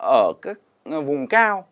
ở cái vùng cao